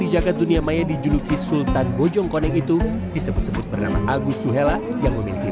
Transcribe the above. jagad dunia maya dijuluki sultan bojongkoneng itu disebut sebut bernama agus suhela yang memiliki